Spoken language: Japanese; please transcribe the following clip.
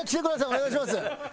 お願いします！